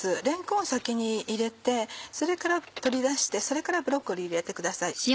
れんこんを先に入れてそれから取り出してそれからブロッコリー入れてください。